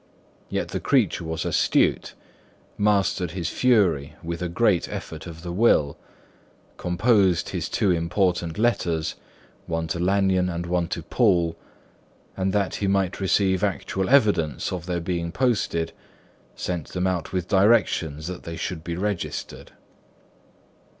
Yet the creature was astute; mastered his fury with a great effort of the will; composed his two important letters, one to Lanyon and one to Poole; and that he might receive actual evidence of their being posted, sent them out with directions that they should be registered.